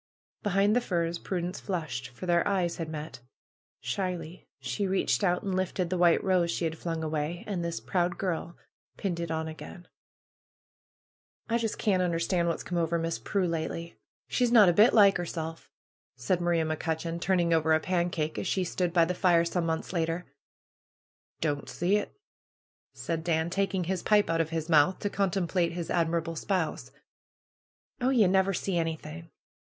Behind the firs Prudence flushed, for their eyes had met. Shyly she reached out and lifted the white rose she had flung away. And this proud girl pinned it on again. just canT un'erstan' whafs come over Miss Prue Prudence peeped through the branches at Donald. PRUE'S GARDENER m lately. She's not a bit like 'erself/^ said Maria Mc Cutcheon, turning over a pancake, as she stood by the fire, some months later. ^^Don't see it!" said Dan, taking his pipe out of his mouth, to contemplate his admirable spouse. ^^Oh, ye never see anything!